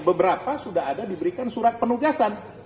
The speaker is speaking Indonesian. beberapa sudah ada diberikan surat penugasan